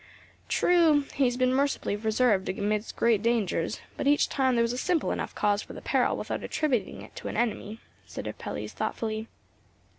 "True, he has been mercifully preserved amidst great dangers; but each time there was a simple enough cause for the peril without attributing it to an enemy," said Apelles, thoughtfully.